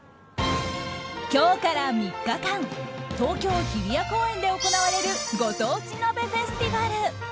今日から３日間東京・日比谷公園で行われるご当地鍋フェスティバル。